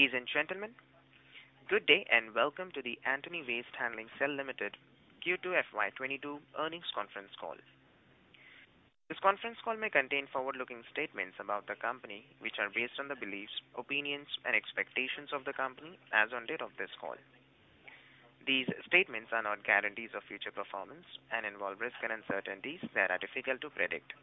Ladies and gentlemen, good day and welcome to the Antony Waste Handling Cell Limited Q2 FY 2022 earnings conference call. This conference call may contain forward-looking statements about the company, which are based on the beliefs, opinions and expectations of the company as on date of this call. These statements are not guarantees of future performance and involve risks and uncertainties that are difficult to predict.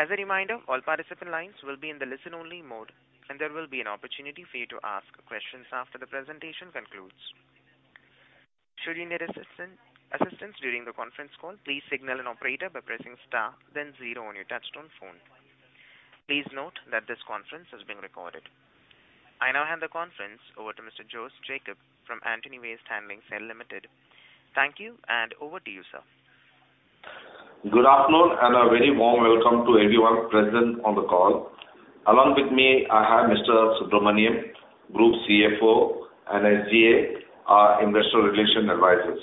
As a reminder, all participant lines will be in the listen-only mode and there will be an opportunity for you to ask questions after the presentation concludes. Should you need assistance during the conference call, please signal an operator by pressing Star then Zero on your touchtone phone. Please note that this conference is being recorded. I now hand the conference over to Mr. Jose Jacob from Antony Waste Handling Cell Limited. Thank you and over to you, sir. Good afternoon and a very warm welcome to everyone present on the call. Along with me, I have Mr. Subramaniam, Group CFO and SGA, our investor relations advisors.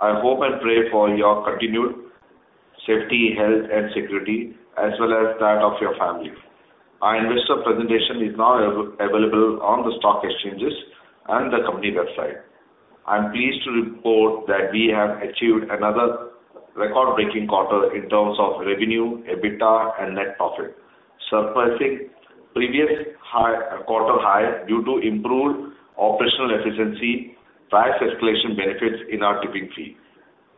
I hope and pray for your continued safety, health and security as well as that of your family. Our investor presentation is now available on the stock exchanges and the company website. I'm pleased to report that we have achieved another record-breaking quarter in terms of revenue, EBITDA and net profit, surpassing previous quarter high due to improved operational efficiency, price escalation benefits in our tipping fee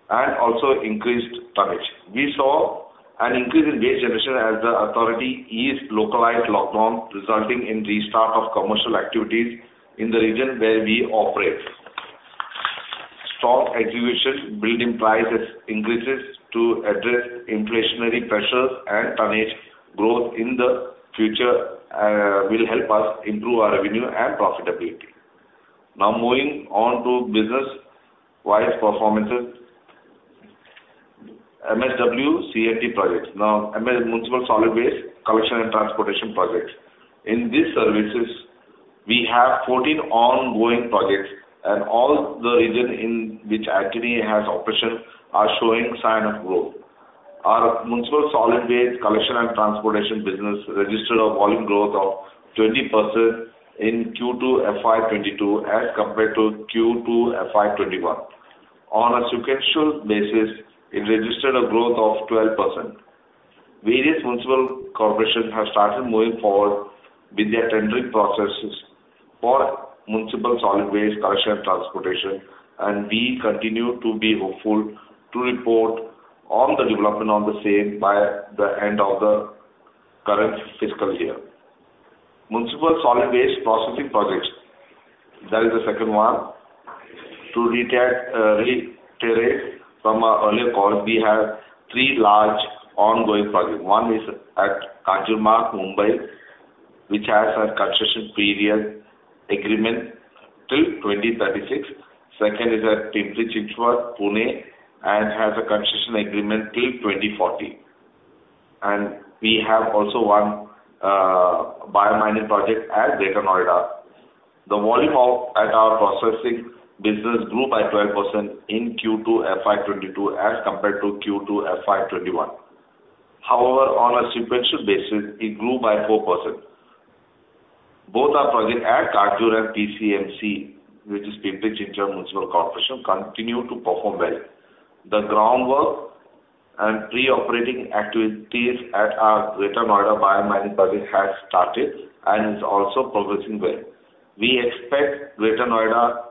and also increased tonnage. We saw an increase in waste generation as the authority eased localized lockdowns resulting in restart of commercial activities in the region where we operate. Strong execution, building prices increases to address inflationary pressures and tonnage growth in the future will help us improve our revenue and profitability. Now moving on to business-wise performances. MSW-CT projects. Now Municipal Solid Waste Collection and Transportation projects. In these services we have 14 ongoing projects and all the region in which Antony has operations are showing sign of growth. Our Municipal Solid Waste Collection and Transportation business registered a volume growth of 20% in Q2 FY 2022 as compared to Q2 FY 2021. On a sequential basis it registered a growth of 12%. Various municipal corporations have started moving forward with their tendering processes for Municipal Solid Waste Collection and Transportation, and we continue to be hopeful to report on the development of the same by the end of the current FY. Municipal Solid Waste Processing projects, that is the second one. To reiterate from our earlier call, we have three large ongoing projects. One is at Kanjurmarg, Mumbai, which has a concession period agreement till 2036. Second is at Pimpri-Chinchwad, Pune and has a concession agreement till 2040. We have also one biomining project at Greater Noida. The volume of our processing business grew by 12% in Q2 FY 2022 as compared to Q2 FY 2021. However, on a sequential basis it grew by 4%. Both our projects at Kanjur and PCMC, which is Pimpri-Chinchwad Municipal Corporation, continue to perform well. The groundwork and pre-operating activities at our Greater Noida biomining project has started and is also progressing well. We expect Greater Noida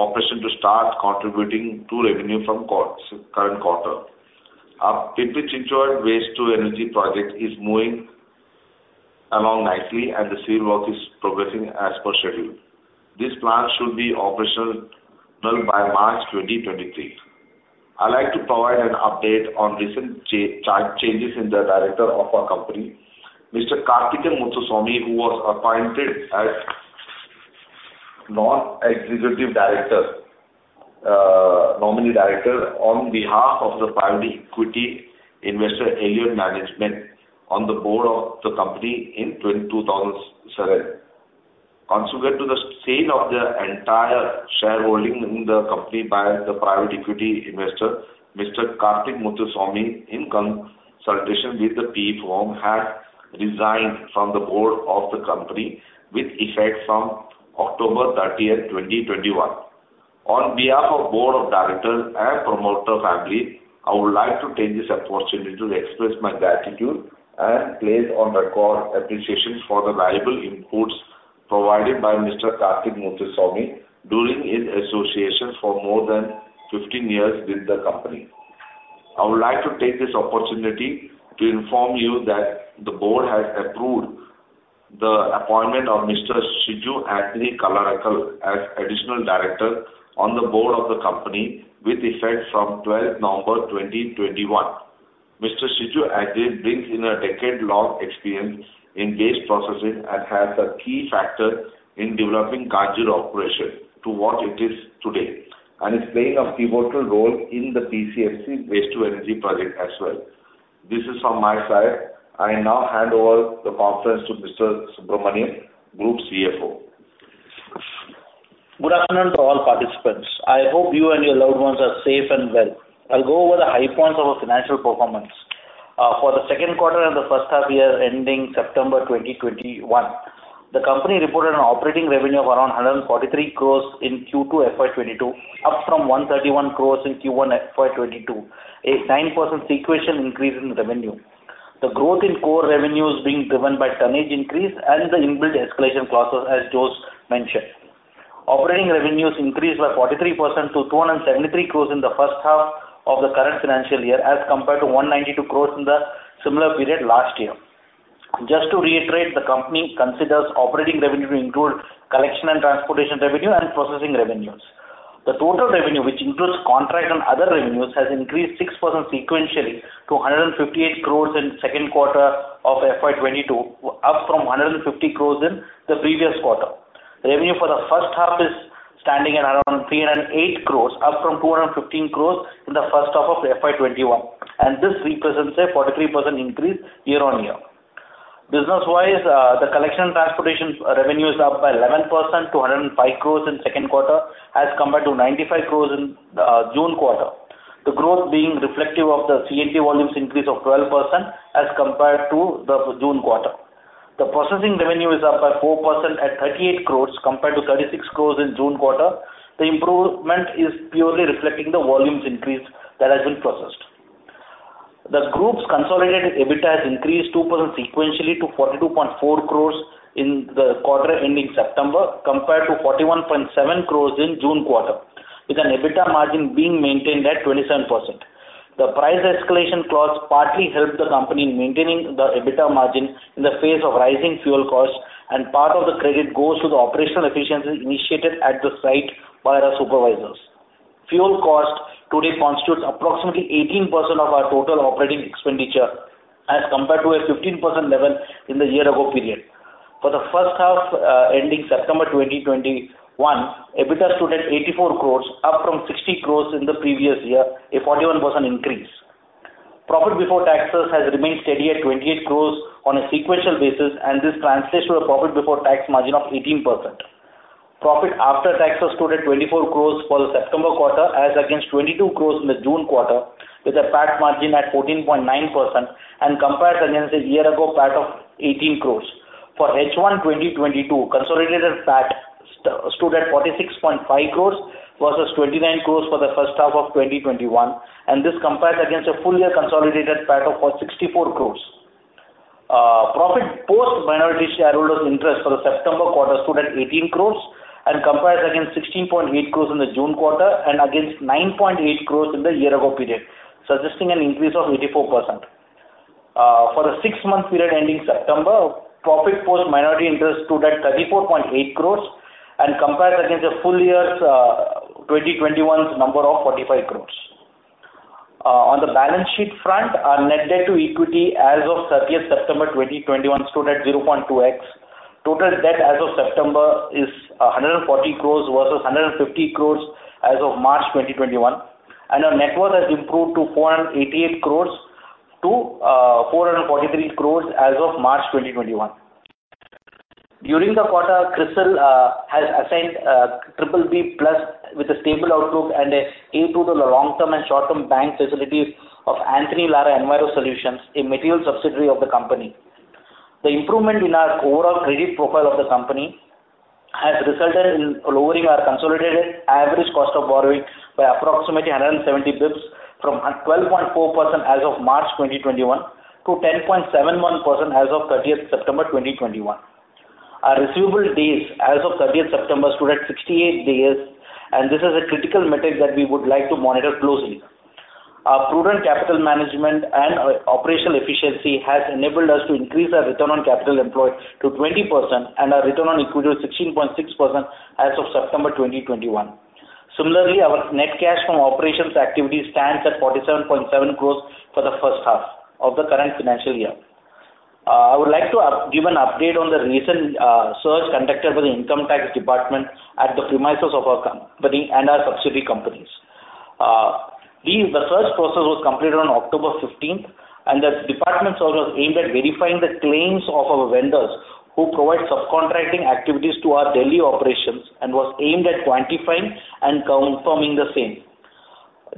operation to start contributing to revenue from current quarter. Our Pimpri-Chinchwad Waste to Energy project is moving along nicely and the civil work is progressing as per schedule. This plant should be operational by March 2023. I'd like to provide an update on recent changes in the director of our company. Mr. Karthikeyan Muthuswamy, who was appointed as non-executive director, nominee director on behalf of the private equity investor, Elliott Management, on the board of the company in 2017. Consequent to the sale of the entire shareholding in the company by the private equity investor, Mr. Karthikeyan Muthuswamy, in consultation with the PE firm, has resigned from the board of the company with effect from October 30th, 2021. On behalf of Board of Directors and Promoter family, I would like to take this opportunity to express my gratitude and place on record appreciation for the valuable inputs provided by Mr. Karthikeyan Muthuswamy during his association for more than 15 years with the company. I would like to take this opportunity to inform you that the board has approved the appointment of Mr. Shiju Antony Kallarakal as Additional Director on the board of the company with effect from 12th November 2021. Mr. Shiju Antony Kallarakal brings in a decade-long experience in waste processing and has been a key factor in developing Kanjur operation to what it is today, and is playing a pivotal role in the PCMC Waste to Energy project as well. This is from my side. I now hand over the conference to Mr. Subramaniam, Group CFO. Good afternoon to all participants. I hope you and your loved ones are safe and well. I'll go over the high points of our financial performance. For the Q2 and the H1 year ending September 2021, the company reported an operating revenue of around 143 crores in Q2 FY 2022, up from 131 crores in Q1 FY 2022, a 9% sequential increase in revenue. The growth in core revenues being driven by tonnage increase and the inbuilt escalation clauses, as Jose mentioned. Operating revenues increased by 43% to 273 crores in the H1 of the current financial year, as compared to 192 crores in the similar period last year. Just to reiterate, the company considers operating revenue to include collection and transportation revenue and processing revenues. The total revenue, which includes contract and other revenues, has increased 6% sequentially to 158 crores in Q2 of FY 2022, up from 150 crores in the previous quarter. Revenue for the H1 is standing at around 308 crores, up from 215 crores in the H1 of FY 2021, and this represents a 43% increase year-on-year. Business-wise, the collection and transportation revenue is up by 11% to 105 crores in Q2, as compared to 95 crores in June quarter. The growth being reflective of the C&T volumes increase of 12% as compared to the June quarter. The processing revenue is up by 4% at 38 crores compared to 36 crores in June quarter. The improvement is purely reflecting the volumes increase that has been processed. The group's consolidated EBITDA has increased 2% sequentially to 42.4 crores in the quarter ending September compared to 41.7 crores in June quarter, with an EBITDA margin being maintained at 27%. The price escalation clause partly helped the company in maintaining the EBITDA margin in the face of rising fuel costs, and part of the credit goes to the operational efficiencies initiated at the site by our supervisors. Fuel cost today constitutes approximately 18% of our total operating expenditure as compared to a 15% level in the year-ago period. For the H1 ending September 2021, EBITDA stood at 84 crores, up from 60 crores in the previous year, a 41% increase. Profit before taxes has remained steady at 28 crores on a sequential basis, and this translates to a profit before tax margin of 18%. Profit after taxes stood at 24 crores for the September quarter, as against 22 crores in the June quarter, with a PAT margin at 14.9% and compared against a year ago PAT of 18 crores. For H1 2022, consolidated PAT stood at 46.5 crores versus 29 crores for the H1 of 2021, and this compares against a full year consolidated PAT of 64 crores. Profit post minority shareholders' interest for the September quarter stood at 18 crores and compares against 16.8 crores in the June quarter and against 9.8 crores in the year ago period, suggesting an increase of 84%. For the six-month period ending September, profit post minority interest stood at 34.8 crores and compares against a full year's 2021 number of 45 crores. On the balance sheet front, our net debt to equity as of 30th September 2021 stood at 0.2x. Total debt as of September is 140 crores versus 150 crores as of March 2021, and our net worth has improved to 488 crores from 443 crores as of March 2021. During the quarter, CRISIL has assigned BBB+ with a stable outlook and an A2 to the long-term and short-term bank facilities of Antony Lara Enviro Solutions, a material subsidiary of the company. The improvement in our overall credit profile of the company has resulted in lowering our consolidated average cost of borrowing by approximately 170 basis points from 12.4% as of March 2021 to 10.71% as of 30th September 2021. Our receivable days as of 30th September stood at 68 days, and this is a critical metric that we would like to monitor closely. Our prudent capital management and operational efficiency has enabled us to increase our return on capital employed to 20% and our return on equity to 16.6% as of September 2021. Similarly, our net cash from operations activities stands at 47.7 crores for the H1 of the current financial year. I would like to give an update on the recent search conducted by the Income Tax Department at the premises of our company and our subsidiary companies. The search process was completed on October fifteenth, and the department's search was aimed at verifying the claims of our vendors who provide subcontracting activities to our daily operations and was aimed at quantifying and confirming the same.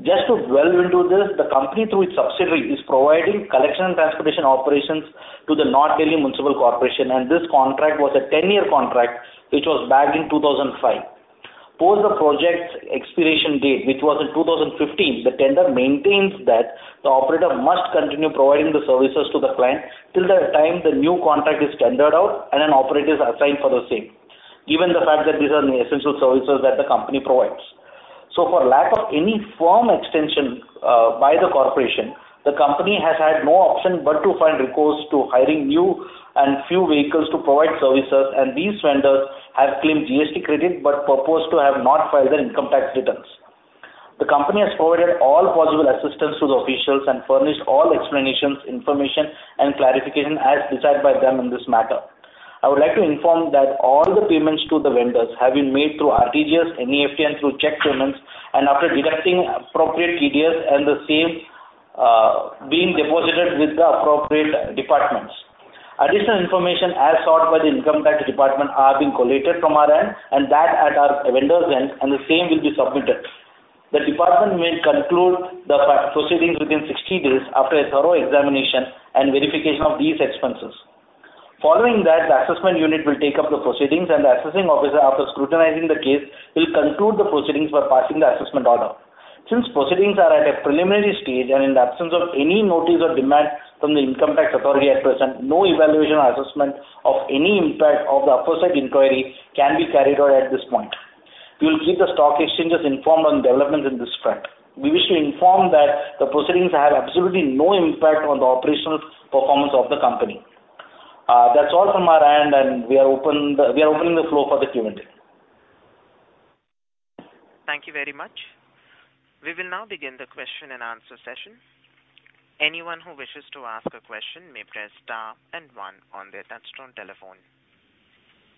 Just to delve into this, the company, through its subsidiary, is providing collection and transportation operations to the North Delhi Municipal Corporation, and this contract was a 10-year contract which was bagged in 2005. Post the project's expiration date, which was in 2015, the tender maintains that the operator must continue providing the services to the client till the time the new contract is tendered out and an operator is assigned for the same, given the fact that these are the essential services that the company provides. For lack of any firm extension by the corporation, the company has had no option but to find recourse to hiring new and few vehicles to provide services, and these vendors have claimed GST credit, but purported to have not filed their income tax returns. The company has provided all possible assistance to the officials and furnished all explanations, information, and clarification as desired by them in this matter. I would like to inform that all the payments to the vendors have been made through RTGS, NEFT, and through check payments, and after deducting appropriate TDS and the same being deposited with the appropriate departments. Additional information as sought by the Income Tax Department are being collated from our end and that at our vendors end, and the same will be submitted. The department may conclude the proceedings within 60 days after a thorough examination and verification of these expenses. Following that, the assessment unit will take up the proceedings, and the assessing officer, after scrutinizing the case, will conclude the proceedings by passing the assessment order. Since proceedings are at a preliminary stage and in the absence of any notice or demand from the income tax authority at present, no evaluation or assessment of any impact of the aforesaid inquiry can be carried out at this point. We will keep the stock exchanges informed on developments in this front. We wish to inform that the proceedings have absolutely no impact on the operational performance of the company. That's all from our end, and we are opening the floor for the Q&A. Thank you very much. We will now begin the question-and-answer session. Anyone who wishes to ask a question may press star and one on their touch-tone telephone.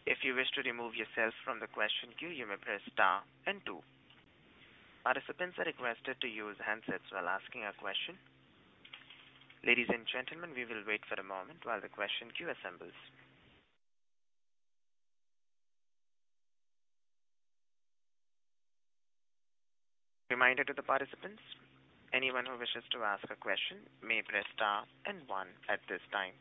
If you wish to remove yourself from the question queue, you may press star and two. Participants are requested to use handsets while asking a question. Ladies and gentlemen, we will wait for a moment while the question queue assembles. Reminder to the participants, anyone who wishes to ask a question may press star and one at this time.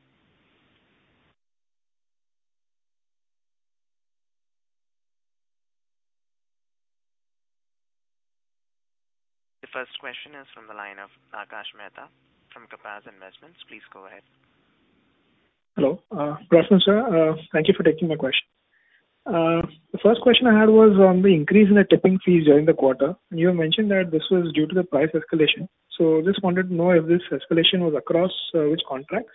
The first question is from the line of Akash Mehta from Kapaz Investments. Please go ahead. Hello. Prashant, sir, thank you for taking my question. The first question I had was on the increase in the tipping fees during the quarter. You had mentioned that this was due to the price escalation. Just wanted to know if this escalation was across which contracts?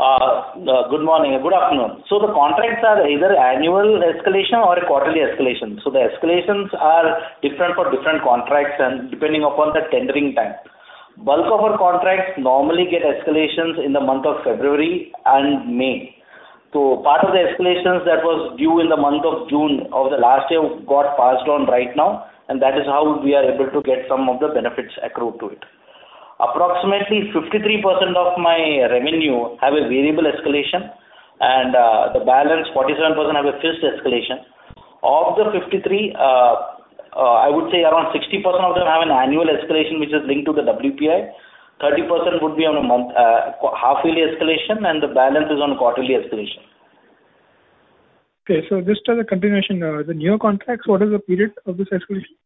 Good morning. Good afternoon. The contracts are either annual escalation or a quarterly escalation. The escalations are different for different contracts and depending upon the tendering time. Bulk of our contracts normally get escalations in the month of February and May. Part of the escalations that was due in the month of June of the last year got passed on right now, and that is how we are able to get some of the benefits accrued to it. Approximately 53% of my revenue have a variable escalation, and the balance 47% have a fixed escalation. Of the 53, I would say around 60% of them have an annual escalation, which is linked to the WPI. 30% would be on a monthly half-yearly escalation, and the balance is on a quarterly escalation. Okay. Just as a continuation, the new contracts, what is the period of this escalation?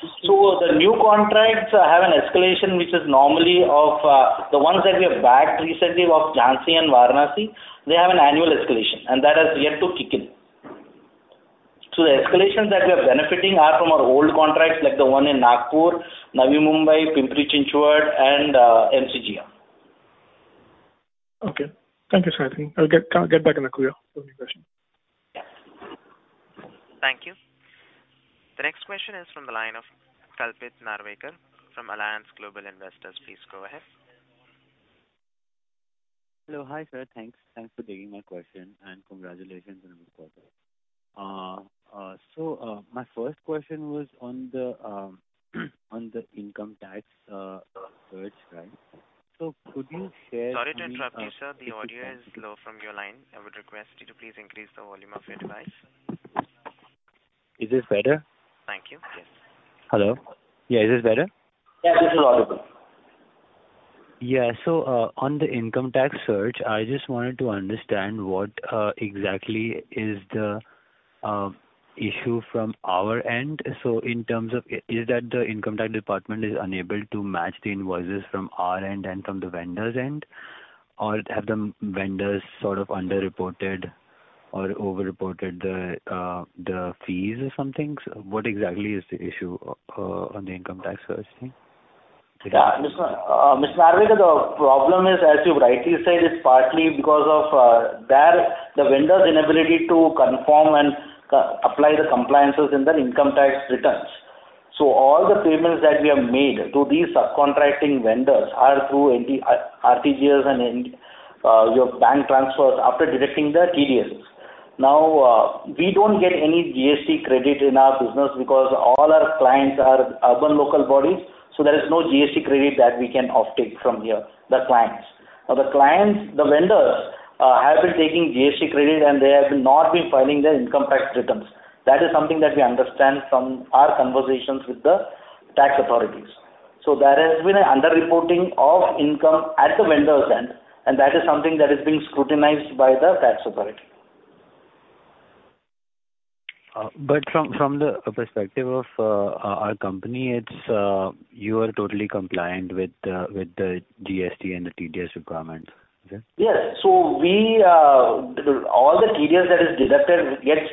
The new contracts have an escalation which is normally of the ones that we have bagged recently in Jhansi and Varanasi. They have an annual escalation, and that has yet to kick in. The escalations that we are benefiting are from our old contracts like the one in Nagpur, Navi Mumbai, Pimpri-Chinchwad and MCGM. Okay. Thank you, sir. I think I'll get back in the queue. Thank you. The next question is from the line of Kalpit Narvekar from Allianz Global Investors. Please go ahead. Hello. Hi, sir. Thanks. Thanks for taking my question and congratulations on your quarter. My first question was on the income tax search, right. Could you share- Sorry to interrupt you, sir. The audio is low from your line. I would request you to please increase the volume of your device. Is this better? Thank you. Yes. Hello? Yeah. Is this better? Yeah. This is audible. Yeah. On the income tax search, I just wanted to understand what exactly is the issue from our end. In terms of, is that the Income Tax Department is unable to match the invoices from our end and from the vendors end, or have the vendors sort of underreported or over-reported the fees or something? What exactly is the issue on the income tax search? Yeah. Mr. Narwekar, the problem is, as you rightly said, it's partly because of the vendors' inability to confirm and apply the compliances in their income tax returns. All the payments that we have made to these subcontracting vendors are through RTGS and bank transfers after deducting the TDS. Now, we don't get any GST credit in our business because all our clients are urban local bodies, so there is no GST credit that we can off-take from here, the clients. Now, the clients, the vendors, have been taking GST credit, and they have not been filing their income tax returns. That is something that we understand from our conversations with the tax authorities. There has been an underreporting of income at the vendors' end, and that is something that is being scrutinized by the tax authority. From the perspective of our company, it's you are totally compliant with the GST and the TDS requirements. Okay. Yes. All the TDS that is deducted gets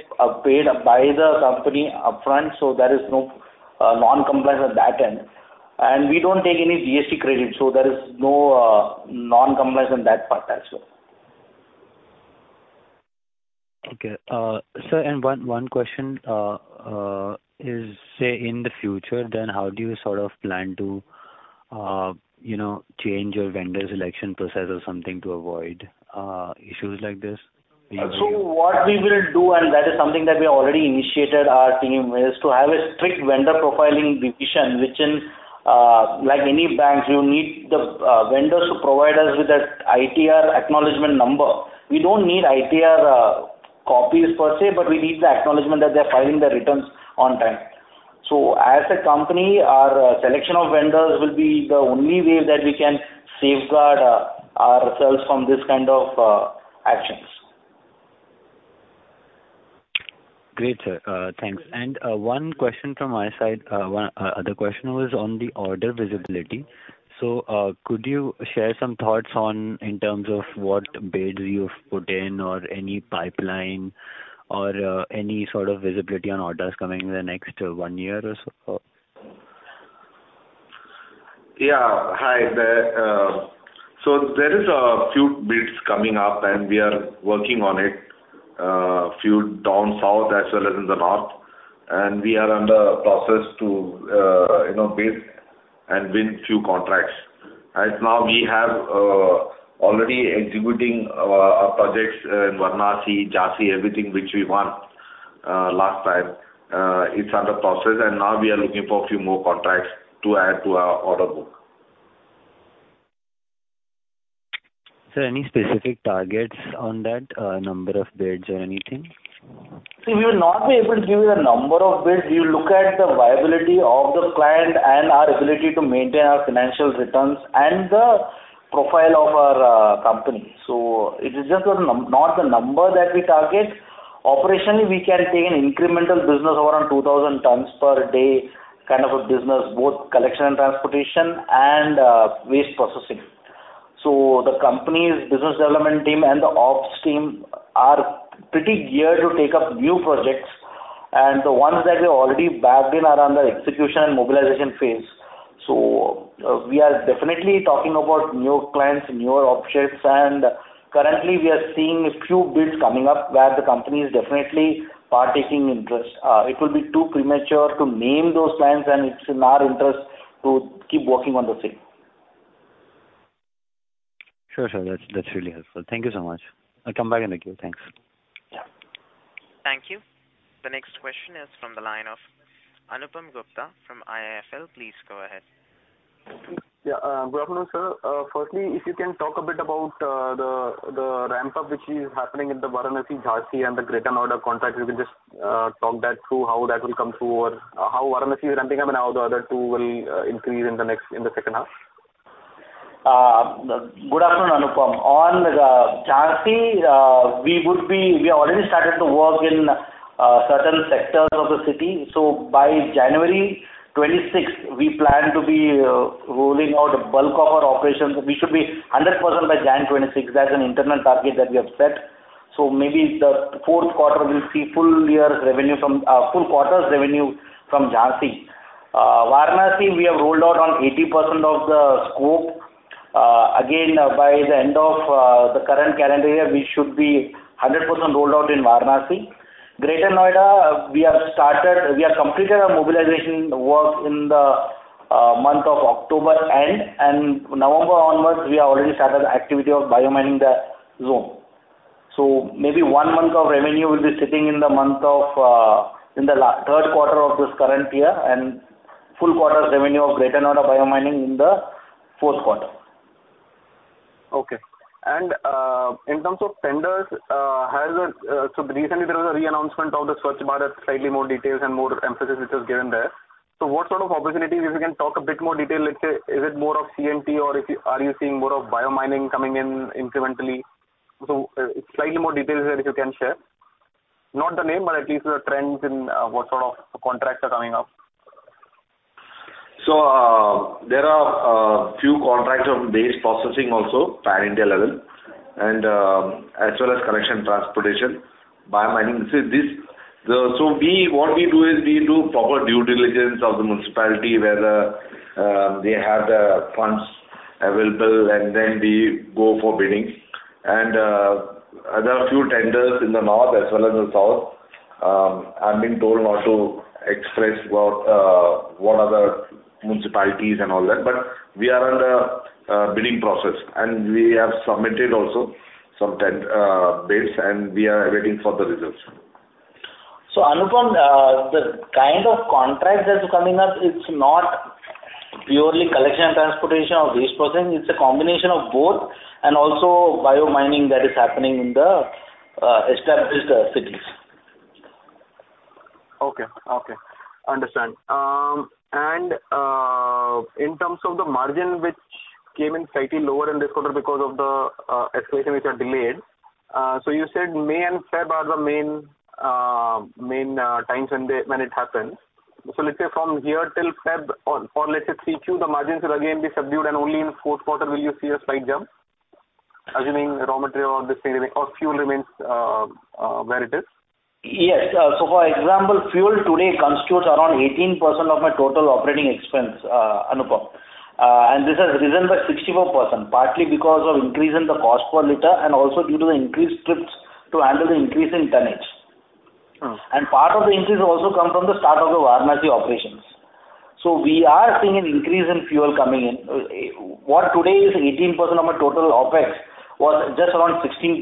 paid by the company upfront, so there is no non-compliance on that end. We don't take any GST credit, so there is no non-compliance on that part as well. Okay. Sir, one question is, say, in the future, then how do you sort of plan to, you know, change your vendors selection process or something to avoid issues like this? What we will do, and that is something that we already initiated our team, is to have a strict vendor profiling division which, like any bank, you need the vendors to provide us with that ITR acknowledgment number. We don't need ITR copies per se, but we need the acknowledgment that they're filing their returns on time. As a company, our selection of vendors will be the only way that we can safeguard ourselves from this kind of actions. Great, sir. Thanks. One question from my side. The question was on the order visibility. Could you share some thoughts on in terms of what bids you've put in or any pipeline or any sort of visibility on orders coming in the next one year or so? Yeah. Hi there. So there is a few bids coming up, and we are working on it, few down south as well as in the north. We are under process to, you know, bid and win few contracts. And now we have already executing projects in Varanasi, Jhansi, everything which we won last time. It's under process, and now we are looking for a few more contracts to add to our order book. Sir, any specific targets on that, number of bids or anything? See, we will not be able to give you a number of bids. We look at the viability of the client and our ability to maintain our financial returns and the profile of our company. It is just not the number that we target. Operationally, we can take an incremental business around 2,000t per day kind of a business, both collection and transportation and waste processing. The company's business development team and the ops team are pretty geared to take up new projects. The ones that we already bagged in are under execution and mobilization phase. We are definitely talking about new clients, newer projects, and currently we are seeing a few bids coming up where the company is definitely partaking interest. It will be too premature to name those clients, and it's in our interest to keep working on the same. Sure, sir. That's really helpful. Thank you so much. I'll come back in the queue. Thanks. Yeah. Thank you. The next question is from the line of Anupam Gupta from IIFL. Please go ahead. Good afternoon, sir. Firstly, if you can talk a bit about the ramp-up which is happening in the Varanasi, Jhansi and the Greater Noida contract. You can just talk that through how that will come through or how Varanasi is ramping up and how the other two will increase in the H2. Good afternoon, Anupam. On Jhansi, we already started to work in certain sectors of the city. By January 26th, we plan to be rolling out bulk of our operations. We should be 100% by January 26th. That's an internal target that we have set. Maybe the Q4 we'll see full quarter's revenue from Jhansi. Varanasi, we have rolled out on 80% of the scope. Again, by the end of the current calendar year, we should be 100% rolled out in Varanasi. Greater Noida, we have completed our mobilization work in the end of October, and November onwards, we have already started activity of Biomining the zone. Maybe one month of revenue will be sitting in the month of in the Q3 of this current year and full quarters revenue of Greater Noida biomining in the Q4. Okay. In terms of tenders, recently there was a re-announcement of the Swachh Bharat, slightly more details and more emphasis which was given there. What sort of opportunities, if you can talk a bit more detail, let's say, is it more of C&T or are you seeing more of biomining coming in incrementally? Slightly more details there if you can share. Not the name, but at least the trends in what sort of contracts are coming up. There are a few contracts of waste processing also pan-India level and, as well as collection transportation. Biomining, this is this. What we do is we do proper due diligence of the municipality, whether they have the funds available and then we go for bidding. There are a few tenders in the north as well as the south. I'm being told not to express what the municipalities and all that are, but we are under bidding process, and we have submitted also some bids, and we are waiting for the results. Anupam, the kind of contracts that's coming up, it's not purely collection and transportation or waste processing. It's a combination of both and also biomining that is happening in the established cities. Okay. Understand. In terms of the margin which came in slightly lower in this quarter because of the escalation which are delayed. You said May and Feb are the main times when it happens. Let's say from here till Feb or Q3, the margins will again be subdued and only in the Q4 will you see a slight jump, assuming raw material or this thing remain or fuel remains where it is? Yes. So for example, fuel today constitutes around 18% of my total operating expense, Anupam. This has risen by 64%, partly because of increase in the cost per liter and also due to the increased trips to handle the increase in tonnage. Oh. Part of the increase also come from the start of the Varanasi operations. We are seeing an increase in fuel coming in. What today is 18% of my total OpEx was just around 16%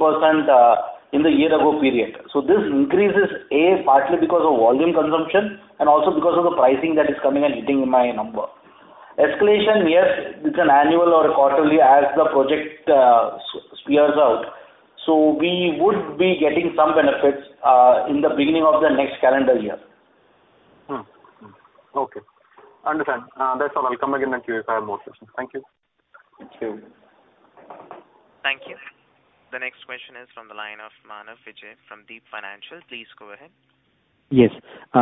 in the year ago period. This increase is, A, partly because of volume consumption and also because of the pricing that is coming and hitting my number. Escalation, yes, it's an annual or a quarterly as the project spreads out. We would be getting some benefits in the beginning of the next calendar year. Okay. I understand. That's all. I'll come back with you if I have more questions. Thank you. Thank you. Thank you. The next question is from the line of Manav Vijay from Deep Financial. Please go ahead. Yes.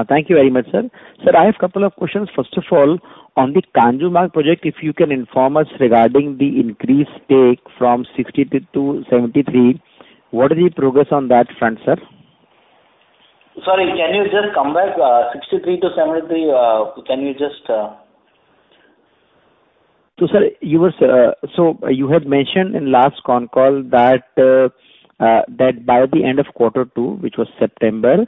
Thank you very much, sir. Sir, I have a couple of questions. First of all, on the Kanjurmarg project, if you can inform us regarding the increased stake from 63% to 73%, what is the progress on that front, sir? Sorry, can you just come back 63 to 73. Can you just uh- Sir, you had mentioned in last con call that by the end of quarter two, which was September,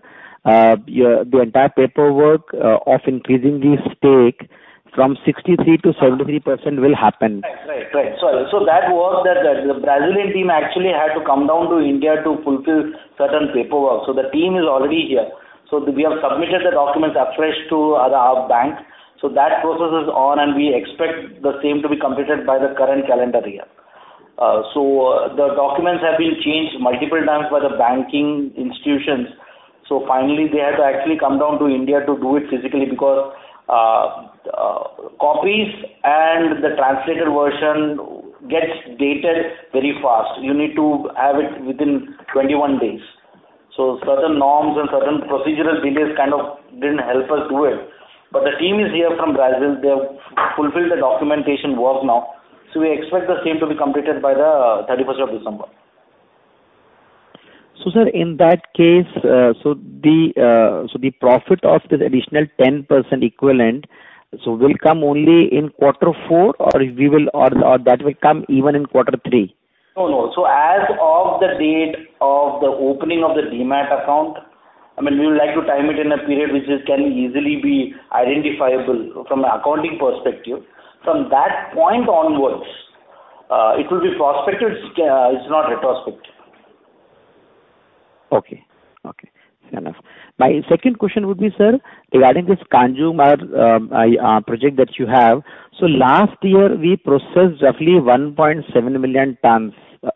your, the entire paperwork of increasing the stake from 63% to 73% will happen. Right. That was the Brazilian team actually had to come down to India to fulfill certain paperwork. The team is already here. We have submitted the documents afresh to our bank. That process is on, and we expect the same to be completed by the current calendar year. The documents have been changed multiple times by the banking institutions. Finally, they had to actually come down to India to do it physically because copies and the translated version gets dated very fast. You need to have it within 21 days. Certain norms and certain procedural delays kind of didn't help us do it. The team is here from Brazil. They have fulfilled the documentation work now. We expect the same to be completed by the 31st of December. Sir, in that case, the profit of this additional 10% equivalent will come only in quarter four, or that will come even in quarter three? No, no. As of the date of the opening of the Demat account, I mean, we would like to time it in a period which can easily be identifiable from accounting perspective. From that point onwards, it will be prospective, it's not retrospective. Okay. Fair enough. My second question would be, sir, regarding this Kanjurmarg project that you have. Last year, we processed roughly 1.7t million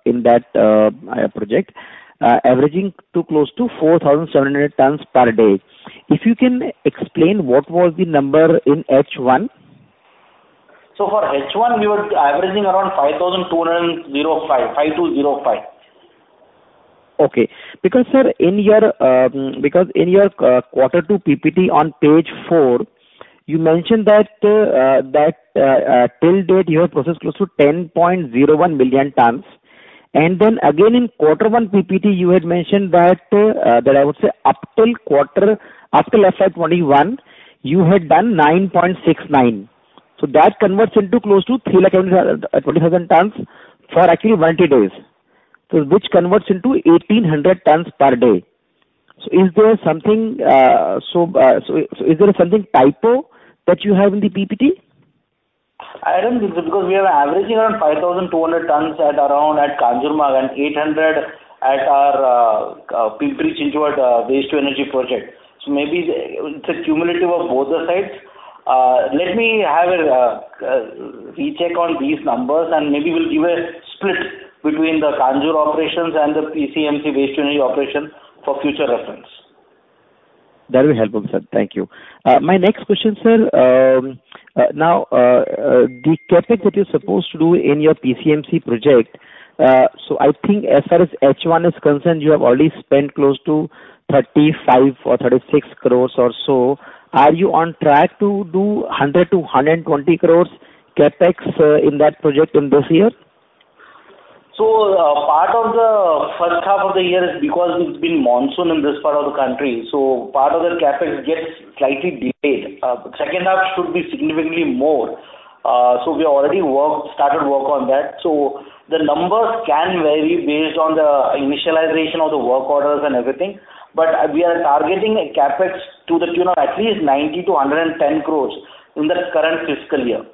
in that project, averaging to close to 4,700t per day. If you can explain what was the number in H1? For H1, we were averaging around 5,205. Sir, in your Q2 PPT on page 4, you mentioned that till date you have processed close to 10.01t million. Then again in Q1 PPT, you had mentioned that up till FY 2021, you had done 9.69. That converts into close to 3 lakh and 20,000t for actually 20 days. Which converts into 1,800t per day. Is there a typo that you have in the PPT? I don't think so because we are averaging around 5,200t at Kanjurmarg and 800 at our Pimpri-Chinchwad waste to energy project. Maybe it's a cumulative of both the sites. Let me have a recheck on these numbers, and maybe we'll give a split between the Kanjur operations and the PCMC waste to energy operation for future reference. That will help him, sir. Thank you. My next question, sir, the CapEx that you're supposed to do in your PCMC project, so I think as far as H1 is concerned, you have already spent close to 35 crore or 36 crore. Are you on track to do 100 crore-120 crore CapEx in that project in this year? Part of the H1 of the year is because it's been monsoon in this part of the country, so part of the CapEx gets slightly delayed. H2 should be significantly more. We already started work on that. The numbers can vary based on the initiation of the work orders and everything. We are targeting a CapEx to the tune of at least 90 crore-110 crore in the current fiscal year.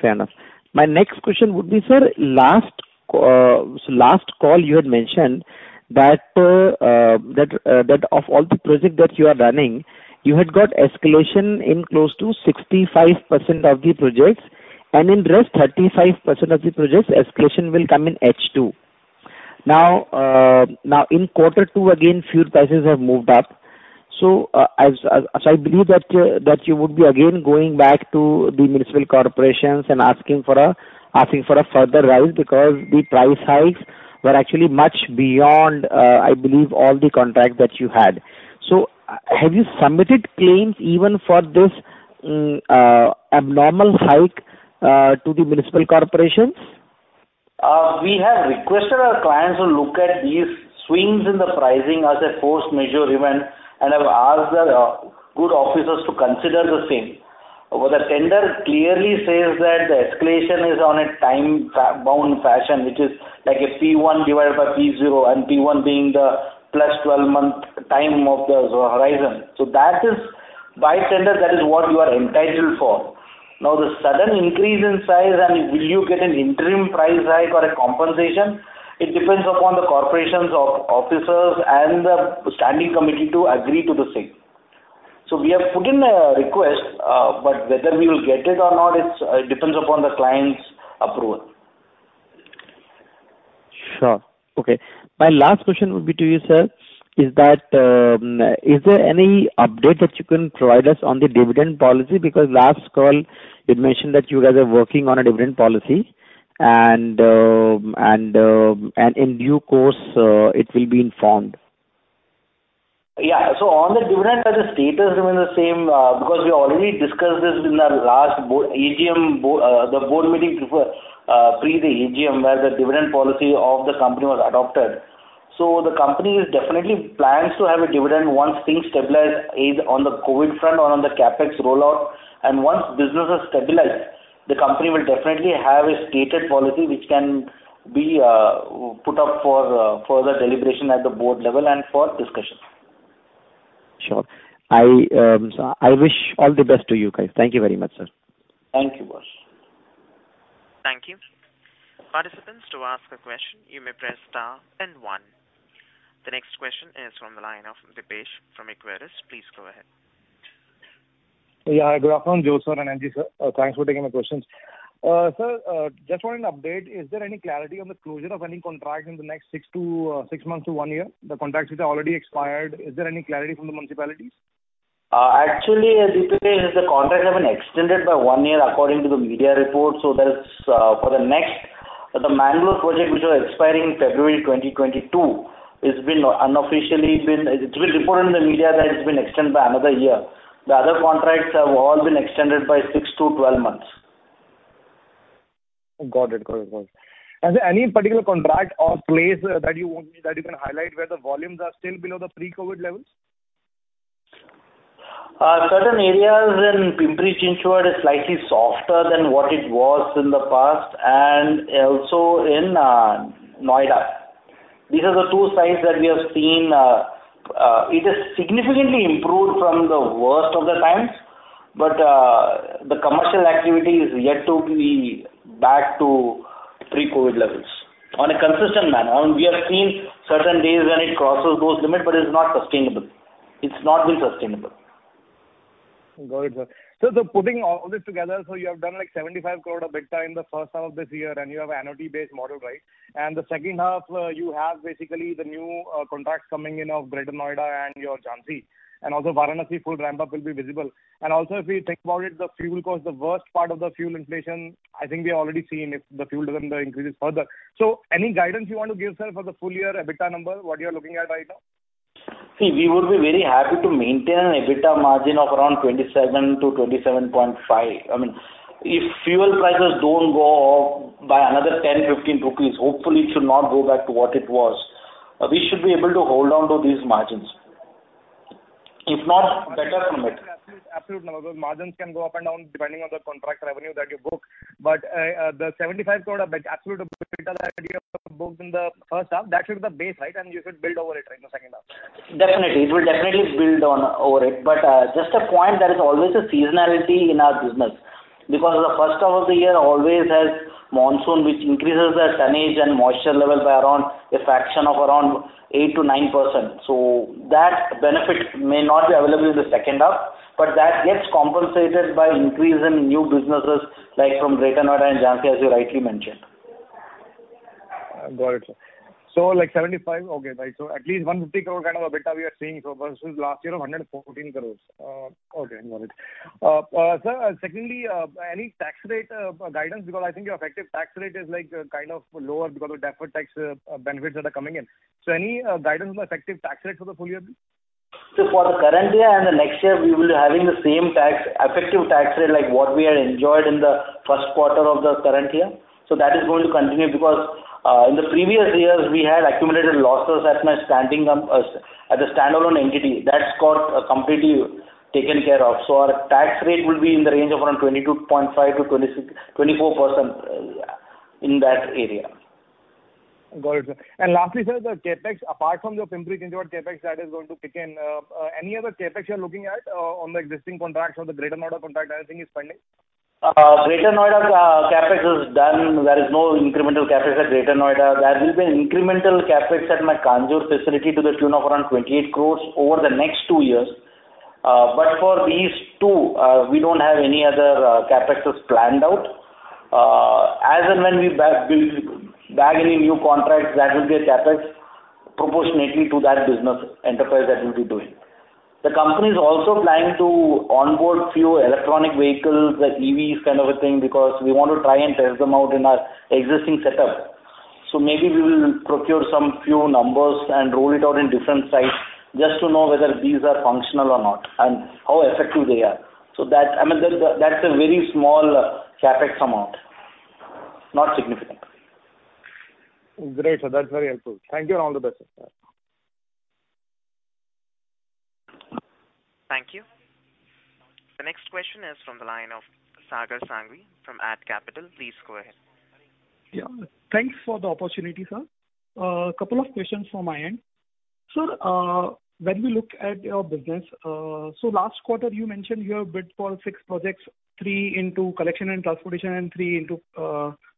Fair enough. My next question would be, sir. Last call you had mentioned that of all the projects that you are running, you had got escalation in close to 65% of the projects, and in rest 35% of the projects, escalation will come in H2. Now in quarter two, again, fuel prices have moved up. I believe that you would be again going back to the municipal corporations and asking for a further rise because the price hikes were actually much beyond all the contracts that you had. Have you submitted claims even for this abnormal hike to the municipal corporations? We have requested our clients to look at these swings in the pricing as a force majeure event and have asked the good officers to consider the same. The tender clearly says that the escalation is on a time bound fashion, which is like a P1 divided by P0, and P1 being the plus 12-month time of the horizon. That is, by tender, what you are entitled for. Now the sudden increase in size and will you get an interim price hike or a compensation, it depends upon the corporation's officers and the standing committee to agree to the same. We have put in a request, but whether we will get it or not, it depends upon the client's approval. Sure. Okay. My last question would be to you, sir. Is there any update that you can provide us on the dividend policy? Because last call you'd mentioned that you guys are working on a dividend policy and in due course it will be informed. Yeah. On the dividend, the status remains the same, because we already discussed this in our last board meeting before the AGM, where the dividend policy of the company was adopted. The company definitely plans to have a dividend once things stabilize, either on the COVID front or on the CapEx rollout. Once business has stabilized, the company will definitely have a stated policy which can be put up for further deliberation at the board level and for discussion. Sure. I wish all the best to you guys. Thank you very much, sir. Thank you, boss. Thank you. The next question is from the line of Deepesh from Equirus. Please go ahead. Yeah. Good afternoon, Jose and N.G., sir. Thanks for taking my questions. Sir, I just want an update. Is there any clarity on the closure of any contract in the next six months to one year? The contracts which are already expired, is there any clarity from the municipalities? Actually, as it is, the contracts have been extended by one year according to the media reports. That is for the next. The Bangalore project which was expiring in February 2022, it's been reported in the media that it's been extended by another year. The other contracts have all been extended by six to twelve months. Got it. Any particular contract or place that you can highlight where the volumes are still below the pre-COVID levels? Certain areas in Pimpri-Chinchwad are slightly softer than what it was in the past and also in Noida. These are the two sites that we have seen. It has significantly improved from the worst of the times, but the commercial activity is yet to be back to pre-COVID levels on a consistent manner. We have seen certain days when it crosses those limits, but it's not sustainable. It's not been sustainable. Got it, sir. Putting all this together, you have done like 75 crore EBITDA in the H1 of this year, and you have an annuity-based model, right? The H2, you have basically the new contracts coming in of Greater Noida and your Jhansi. Varanasi full ramp-up will be visible. If we think about it, the fuel cost, the worst part of the fuel inflation, I think we have already seen if the fuel doesn't increase further. Any guidance you want to give, sir, for the full year EBITDA number, what you're looking at right now? See, we would be very happy to maintain an EBITDA margin of around 27% to 27.5%. I mean, if fuel prices don't go up by another 10 rupees, INR 15, hopefully it should not go back to what it was. We should be able to hold on to these margins. If not, better from it. Absolute number. Margins can go up and down depending on the contract revenue that you book. The 75 crore absolute EBITDA that you have booked in the H1, that should be the base, right? You should build over it right in the H2. Definitely. It will definitely build on, over it. Just a point, there is always a seasonality in our business because the H1 of the year always has monsoon, which increases the tonnage and moisture level by around a fraction of around 8% to 9%. That benefit may not be available in the H2, but that gets compensated by increase in new businesses like from Greater Noida and Jhansi, as you rightly mentioned. Got it, sir. So like 75, okay. So at least 150 crore kind of EBITDA we are seeing versus last year of 114 crores. Okay, got it. Sir, secondly, any tax rate guidance, because I think your effective tax rate is like kind of lower because of deferred tax benefits that are coming in. So any guidance on the effective tax rate for the full year please? For the current year and the next year, we will be having the same effective tax rate like what we had enjoyed in the Q1 of the current year. That is going to continue because in the previous years, we had accumulated losses as mentioned as a standalone entity. That's got completely taken care of. Our tax rate will be in the range of around 22.5% to 24%, in that area. Got it, sir. Lastly, sir, the CapEx, apart from the Pimpri-Chinchwad CapEx that is going to kick in, any other CapEx you're looking at, on the existing contracts or the Greater Noida contract, anything is pending? Greater Noida's CapEx is done. There is no incremental CapEx at Greater Noida. There will be an incremental CapEx at my Kanjur facility to the tune of around 28 crore over the next two years. But for these two, we don't have any other CapExes planned out. As and when we bag any new contracts, that will be a CapEx proportionately to that business enterprise that we'll be doing. The company is also planning to onboard few electronic vehicles, like EVs kind of a thing, because we want to try and test them out in our existing setup. Maybe we will procure some few numbers and roll it out in different sites just to know whether these are functional or not, and how effective they are. That, I mean, that's a very small CapEx amount, not significant. Great, sir. That's very helpful. Thank you, and all the best, sir. Thank you. The next question is from the line of Sagar Sangri from AT Capital. Please go ahead. Yeah. Thanks for the opportunity, sir. Couple of questions from my end. Sir, when we look at your business, so last quarter you mentioned you have bid for six projects, three into collection and transportation, and three into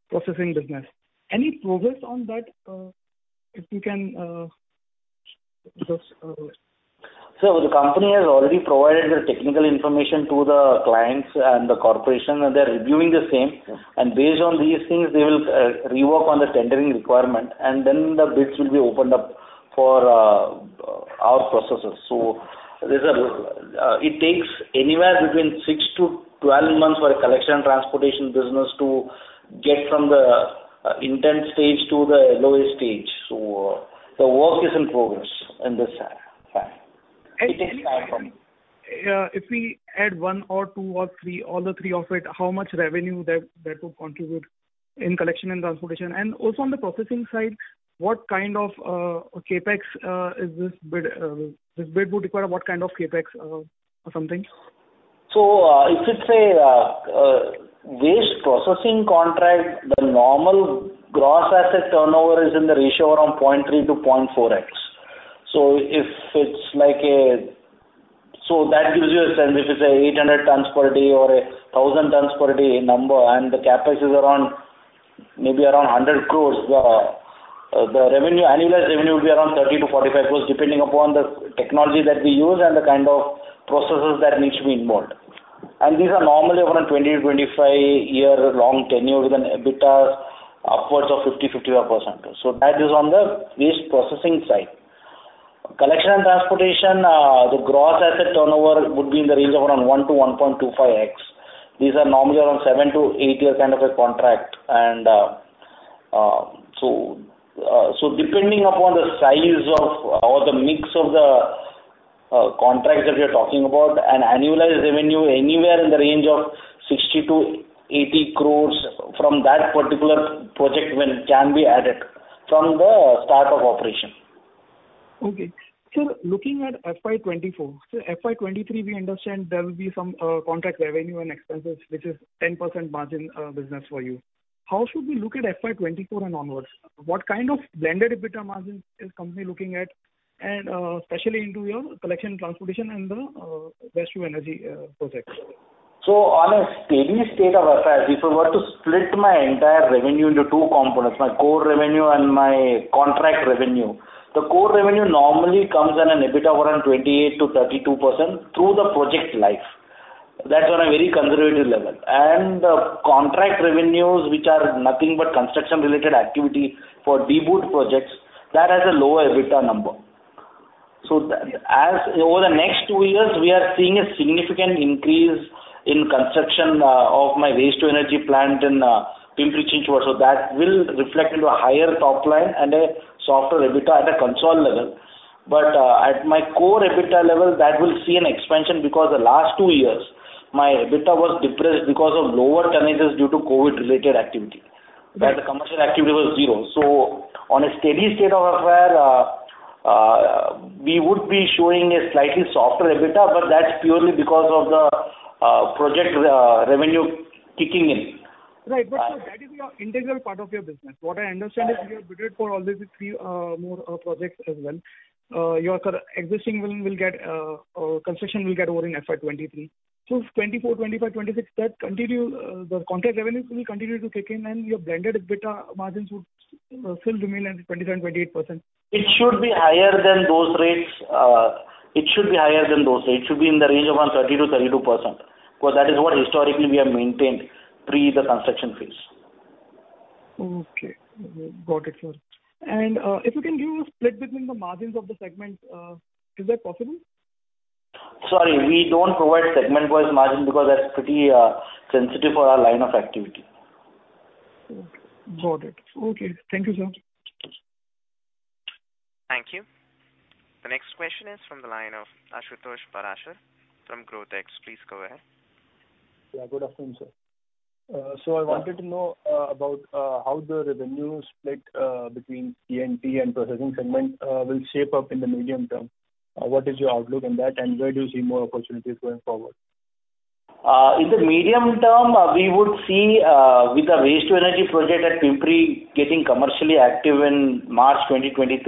processing business. Any progress on that, if you can just? The company has already provided the technical information to the clients and the corporation, and they're reviewing the same. Based on these things, they will rework on the tendering requirement, and then the bids will be opened up for our processes. It takes anywhere between six to twelve months for a collection and transportation business to get from the intent stage to the L1 stage. The work is in progress in this front. It takes time for me. Yeah. If we add one or two or three, all the three of it, how much revenue that would contribute in collection and transportation? And also on the processing side, what kind of CapEx is this bid would require what kind of CapEx, or something? If it's a waste processing contract, the normal gross asset turnover is in the ratio around 0.3x to 0.4x. That gives you a sense. If it's 800t per day or 1,000t per day number, and the CapEx is around maybe around 100 crore, the revenue, annualized revenue will be around 30 to 45 crore, depending upon the technology that we use and the kind of processes that needs to be involved. These are normally around a 20 to 25 year long tenure with an EBITDA upwards of 50 to 55%. That is on the waste processing side. Collection and transportation, the gross asset turnover would be in the range of around 1x to 1.25x. These are normally around seven to eight year kind of a contract. Depending upon the size or the mix of the contracts that we are talking about, an annualized revenue anywhere in the range of 60 crore-80 crore from that particular project when it can be added from the start of operation. Sir, looking at FY 2024. FY 2023, we understand there will be some contract revenue and expenses, which is 10% margin business for you. How should we look at FY 2024 and onwards? What kind of blended EBITDA margin is the company looking at and especially into your collection transportation and the Waste to Energy projects? On a steady state of affairs, if I were to split my entire revenue into two components, my core revenue and my contract revenue, the core revenue normally comes at an EBITDA around 28% to 32% through the project life. That's on a very conservative level. The contract revenues, which are nothing but construction related activity for DBOOT projects, that has a lower EBITDA number. As over the next two years, we are seeing a significant increase in construction of my Waste to Energy plant in Pimpri-Chinchwad. That will reflect into a higher top line and a softer EBITDA at a consolidated level. But at my core EBITDA level, that will see an expansion because the last two years my EBITDA was depressed because of lower tonnages due to COVID related activity, where the commercial activity was zero. On a steady state of affairs, we would be showing a slightly softer EBITDA, but that's purely because of the project revenue kicking in. Right. Sir, that is your integral part of your business. What I understand is you have bid for already three, more, projects as well. Construction will get over in FY 2023. 2024, 2025, 2026, that continue the contract revenues will continue to kick in and your blended EBITDA margins would still remain at 27% to 28%. It should be higher than those rates. It should be in the range of around 30% to 32%, because that is what historically we have maintained pre the construction phase. Okay. Got it, sir. If you can give a split between the margins of the segment, is that possible? Sorry. We don't provide segment-wise margin because that's pretty sensitive for our line of activity. Okay. Got it. Okay. Thank you, sir. Thank you. The next question is from the line of Ashutosh Parashar from GrowthX. Please go ahead. Yeah, good afternoon, sir. I wanted to know about how the revenue split between C&T and processing segment will shape up in the medium term. What is your outlook on that, and where do you see more opportunities going forward? In the medium term, we would see with the Waste to Energy project at Pimpri-Chinchwad getting commercially active in March 2023.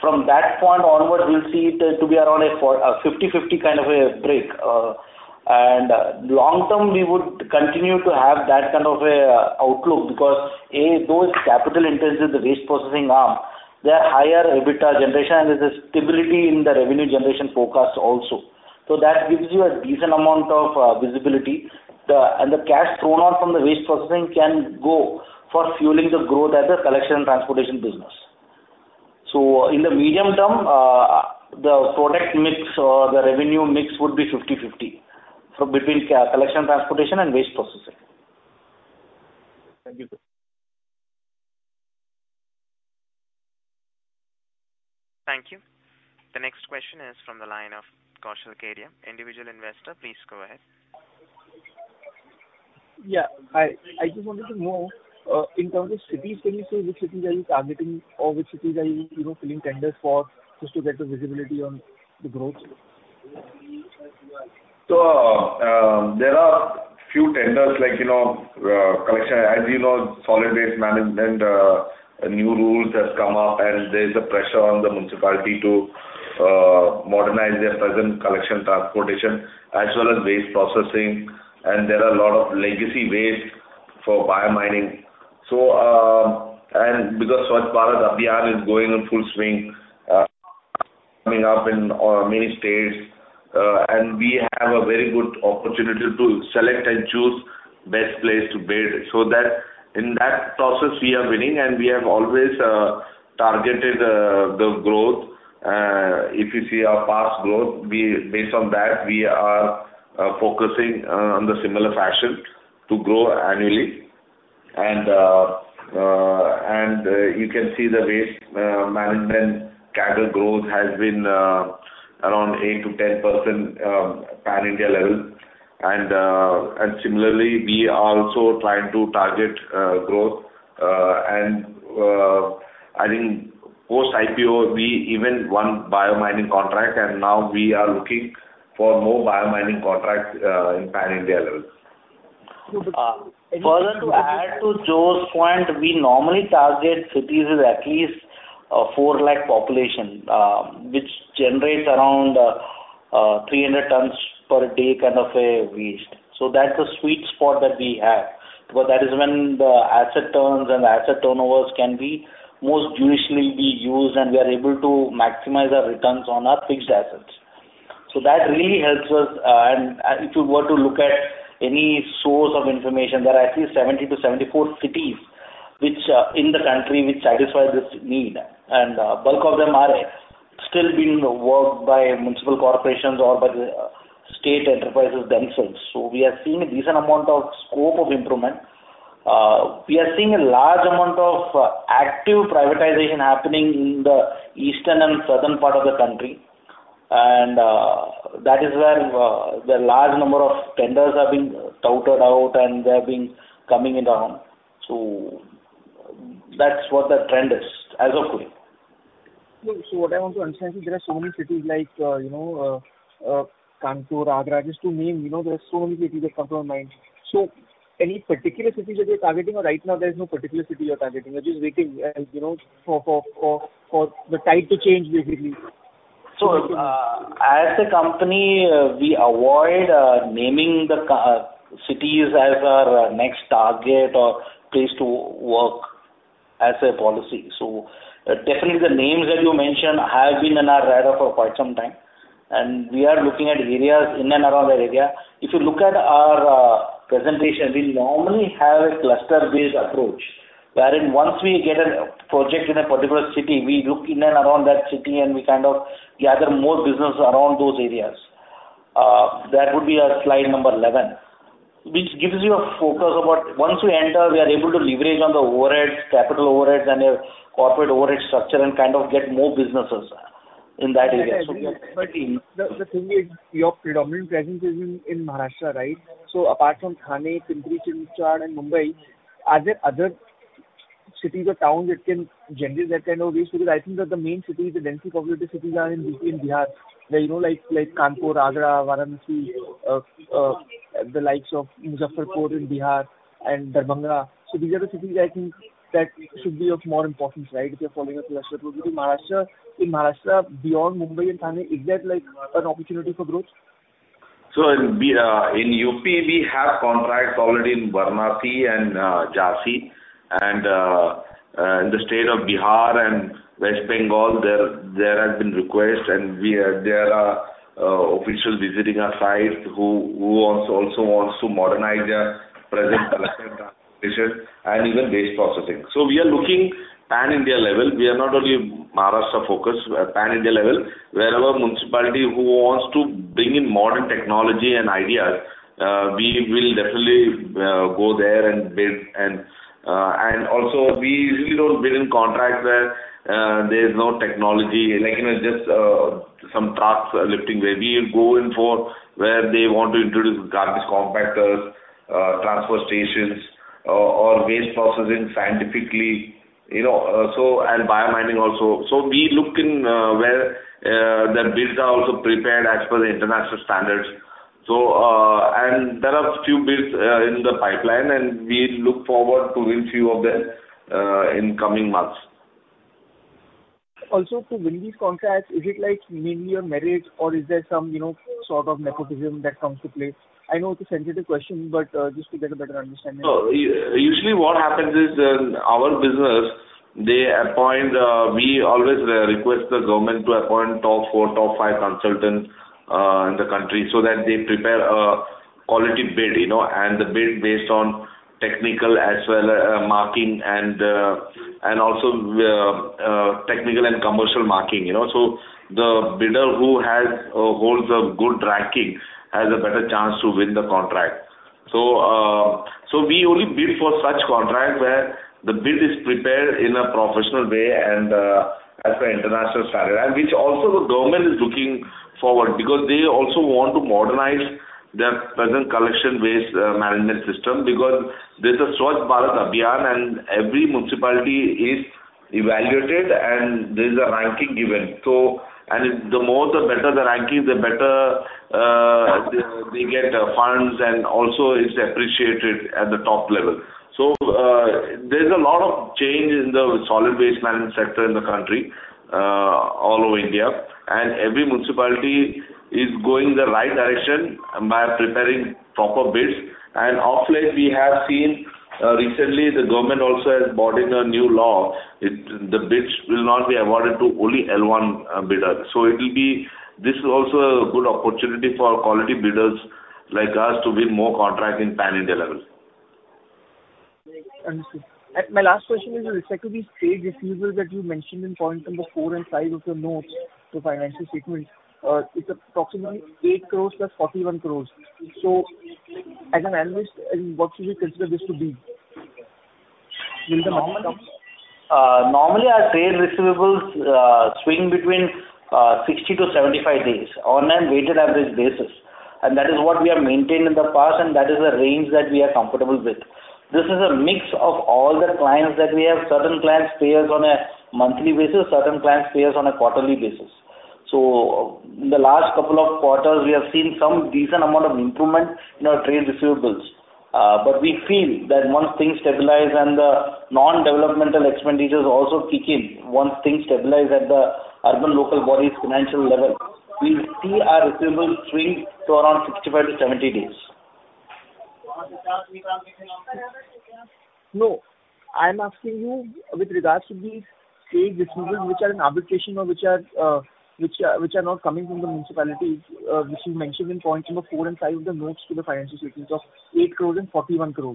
From that point onward, we'll see it to be around a 50/50 kind of a break. In the long term, we would continue to have that kind of a outlook because A, those capital intensive, the waste processing arm, they're higher EBITDA generation, and there's a stability in the revenue generation forecast also. That gives you a decent amount of visibility. The cash thrown out from the waste processing can go for fueling the growth as a collection and transportation business. In the medium term, the product mix or the revenue mix would be 50/50, so between collection and transportation and waste processing. Thank you, sir. Thank you. The next question is from the line of Kaushal Kedia, Individual Investor. Please go ahead. Yeah. I just wanted to know, in terms of cities, can you say which cities are you targeting or which cities are you know, filling tenders for just to get the visibility on the growth? There are few tenders like, you know, collection. As you know, solid waste management new rules has come up, and there's a pressure on the municipality to modernize their present collection transportation as well as waste processing. There are a lot of legacy waste for biomining. Because Swachh Bharat Abhiyan is going in full swing, coming up in many states, and we have a very good opportunity to select and choose best place to build, so that in that process we are winning and we have always targeted the growth. If you see our past growth, based on that, we are focusing on the similar fashion to grow annually. You can see the waste management CAGR growth has been around 8% to 10% pan-India level. Similarly, we are also trying to target growth. I think post IPO, we even won biomining contract, and now we are looking for more biomining contracts in pan-India levels. Further to add to Joe's point, we normally target cities with at least a 4 lakh population, which generates around 300t per day kind of a waste. That's a sweet spot that we have. That is when the asset turns and asset turnovers can be most judiciously used, and we are able to maximize our returns on our fixed assets. That really helps us. If you were to look at any source of information, there are at least 70 to 74 cities which are in the country which satisfy this need. Bulk of them are still being worked by municipal corporations or by the state enterprises themselves. We are seeing a decent amount of scope of improvement. We are seeing a large amount of active privatization happening in the eastern and southern part of the country. That is where the large number of tenders have been put out and they have been coming in around. That's what the trend is as of today. What I want to understand is there are so many cities like, you know, Kanpur, Agra, just to name, you know, there are so many cities that come to our mind. Any particular cities that you're targeting or right now there's no particular city you're targeting, you're just waiting, you know, for the tide to change basically. As a company, we avoid naming the cities as our next target or place to work as a policy. Definitely the names that you mentioned have been in our radar for quite some time, and we are looking at areas in and around that area. If you look at our presentation, we normally have a cluster-based approach, wherein once we get a project in a particular city, we look in and around that city and we kind of gather more businesses around those areas. That would be our slide number 11, which gives you a focus about once we enter, we are able to leverage on the overheads, capital overheads and your corporate overhead structure and kind of get more businesses in that area. We are- The thing is your predominant presence is in Maharashtra, right? Apart from Thane, Pimpri-Chinchwad, and Mumbai, are there other cities or towns that can generate that kind of waste? Because I think that the main cities, the densely populated cities are in UP and Bihar, where, you know, like Kanpur, Agra, Varanasi, the likes of Muzaffarpur in Bihar and Darbhanga. These are the cities I think that should be of more importance, right? If you're following a cluster approach. In Maharashtra, beyond Mumbai and Thane, is that like an opportunity for growth? In UP, we have contracts already in Varanasi and Jhansi. In the state of Bihar and West Bengal, there has been requests. There are officials visiting our site who also wants to modernize their present collection and transportation and even waste processing. We are looking pan-India level. We are not only Maharashtra focused. Pan-India level, wherever municipality who wants to bring in modern technology and ideas, we will definitely go there and bid. We really don't bid in contracts where there's no technology. Like, you know, just some tasks are lifting where we go in for where they want to introduce garbage compactors, transfer stations or waste processing scientifically, you know, biomining also. We look into where the bids are also prepared as per the international standards. There are few bids in the pipeline, and we look forward to win few of them in coming months. Also, to win these contracts, is it like mainly on merit or is there some, you know, sort of nepotism that comes to play? I know it's a sensitive question, but just to get a better understanding. Usually what happens is in our business, they appoint, we always request the government to appoint top four, top five consultants in the country so that they prepare a quality bid, you know. The bid based on technical as well, marking and also technical and commercial marking, you know. The bidder who has or holds a good ranking has a better chance to win the contract. We only bid for such contract where the bid is prepared in a professional way and as per international standard. Which also the government is looking forward because they also want to modernize their present collection waste management system because there's a Swachh Bharat Abhiyan and every municipality is Evaluated and there's a ranking given. The more the better the ranking, the better they get the funds and also is appreciated at the top level. There's a lot of change in the solid waste management sector in the country, all over India, and every municipality is going the right direction by preparing proper bids. Of late we have seen, recently the government also has brought in a new law. The bids will now be awarded to only L1 bidder. It will be this is also a good opportunity for quality bidders like us to win more contract in pan-India levels. Understood. My last question is with respect to the trade receivables that you mentioned in point number four and five of your notes to financial statements. It's approximately 8 crore plus 41 crore. So as an analyst, what should we consider this to be? Will the money come? Normally our trade receivables swing between 60 to 75 days on a weighted average basis. That is what we have maintained in the past, and that is the range that we are comfortable with. This is a mix of all the clients that we have. Certain clients pays on a monthly basis, certain clients pays on a quarterly basis. In the last couple of quarters, we have seen some decent amount of improvement in our trade receivables. We feel that once things stabilize and the non-developmental expenditures also kick in, once things stabilize at the urban local bodies financial level, we see our receivables swing to around 65 to 70 days. No, I'm asking you with regards to the trade receivables which are in arbitration or which are not coming from the municipalities, which you mentioned in point number four and five of the notes to the financial statements of 8 crore and 41 crore.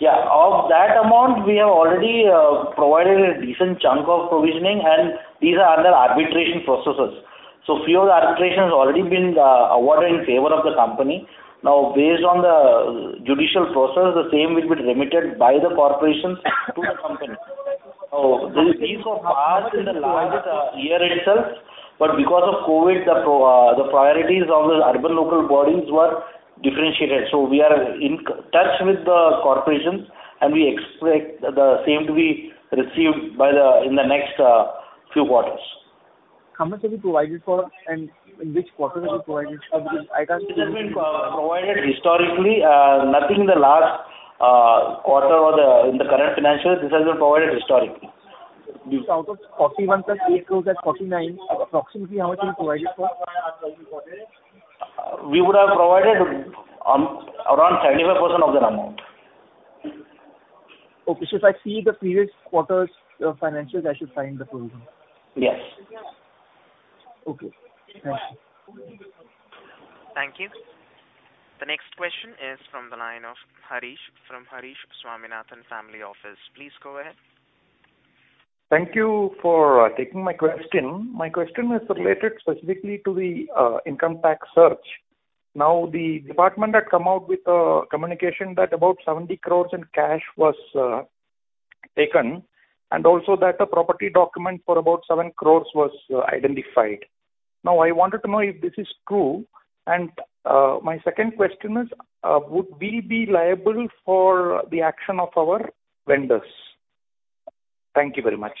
Yeah. Of that amount, we have already provided a decent chunk of provisioning, and these are under arbitration processes. Few of the arbitration has already been awarded in favor of the company. Now, based on the judicial process, the same will be remitted by the corporations to the company. These were passed in the last year itself, but because of COVID, the priorities of the urban local bodies were differentiated. We are in touch with the corporations, and we expect the same to be received by the corporations in the next few quarters. How much have you provided for, and in which quarter have you provided for this? It has been provided historically. Nothing in the last quarter or in the current financial. This has been provided historically. Out of 41 crore + 8 crore, that's 49 crore. Approximately how much have you provided for in this quarter? We would have provided around 35% of that amount. Okay. If I see the previous quarter's financials, I should find the provision. Yes. Okay. Thank you. Thank you. The next question is from the line of Harish from Harish Swaminathan family office. Please go ahead. Thank you for taking my question. My question is related specifically to the income tax search. Now, the department had come out with a communication that about 70 crore in cash was taken, and also that a property document for about 7 crore was identified. Now I wanted to know if this is true. My second question is, would we be liable for the action of our vendors? Thank you very much.